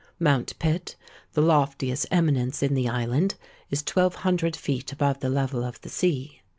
Mount Pitt—the loftiest eminence in the island—is twelve hundred feet above the level of the sea.